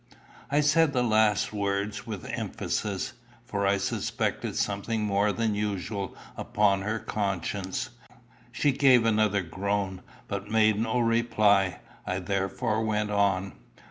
I said the last words with emphasis, for I suspected something more than usual upon her conscience. She gave another groan, but made no reply. I therefore went on.